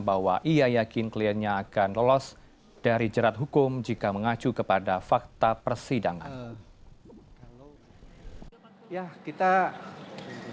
bahwa ia yakin kliennya akan lolos dari jerat hukum jika mengacu kepada fakta persidangan